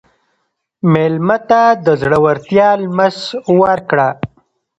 مېلمه ته د زړورتیا لمس ورکړه.